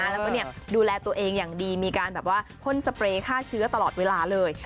แล้วก็ดูแลตัวเองอย่างดีมีการแบบว่าพ่นสเปรย์ฆ่าเชื้อตลอดเวลาเลย